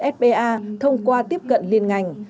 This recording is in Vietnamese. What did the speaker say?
sba thông qua tiếp cận liên ngành